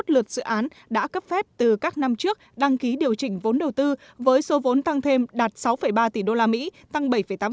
hai mươi lượt dự án đã cấp phép từ các năm trước đăng ký điều chỉnh vốn đầu tư với số vốn tăng thêm đạt sáu ba tỷ usd tăng bảy tám